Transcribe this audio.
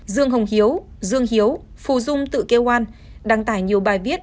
dương hồng hiếu dương hiếu phù dung tự kêu an đăng tải nhiều bài viết